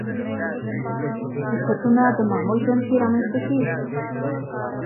فرصتونه د معمول ژوند کې رامنځته کېږي.